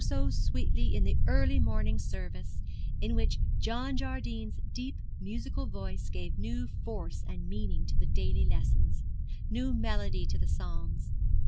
so sweetly, in the early morning service, in which John Jardine's deep musical voice gave new force and meaning to the daily lessons, new melody to the Psalms.